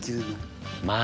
まあ！